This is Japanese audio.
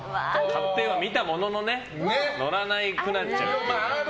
買ってはみたものの乗らなくなっちゃった。